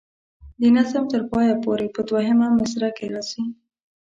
د نظم تر پایه پورې په دوهمه مصره کې راځي.